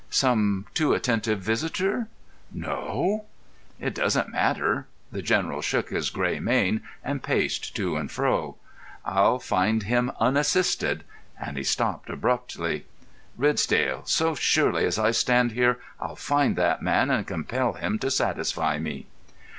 "Some too attentive visitor?" "No." "It doesn't matter." The General shook his grey mane and paced to and fro. "I'll find him unassisted," and he stopped abruptly. "Ridsdale, so surely as I stand here, I'll find that man, and compel him to satisfy me."